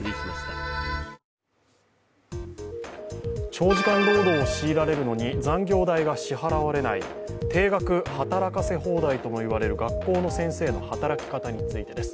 長時間労働を強いられるのに残業代が支払われない定額働かせ放題ともいわれる学校の先生の働き方についてです。